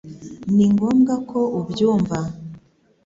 Ni ngombwa ko ubyumva